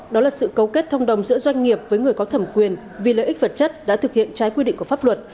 đó là sự cấu kết thông đồng giữa doanh nghiệp với người có thẩm quyền vì lợi ích vật chất đã thực hiện trái quy định của pháp luật